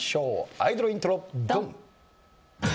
アイドルイントロドン！